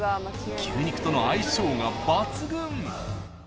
［牛肉との相性が抜群］